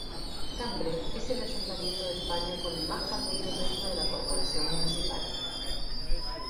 Cambre es el Ayuntamiento de España con más partidos dentro de la Corporación Municipal.